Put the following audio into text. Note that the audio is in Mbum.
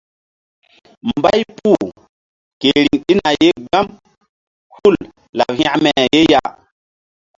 Mbay puh ke riŋ ɗina ye gbam hul laɓ hekme ye ya.